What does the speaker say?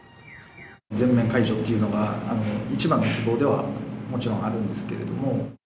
全面解除というのが、一番の希望ではもちろんあるんですけれども。